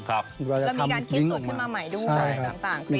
ก็มีการคิดสัดขึ้นมาใหม่ด้วยมั้ย